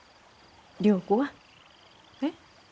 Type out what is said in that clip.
良子は？えっ？